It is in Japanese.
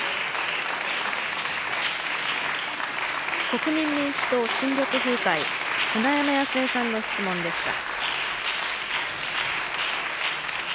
国民民主党・新緑風会、舟山康江さんの質問でした。